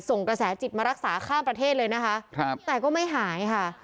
กระแสจิตมารักษาข้ามประเทศเลยนะคะครับแต่ก็ไม่หายค่ะ